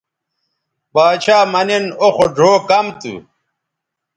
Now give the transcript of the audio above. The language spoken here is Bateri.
باڇھا مہ نِن او خو ڙھؤ کم تھو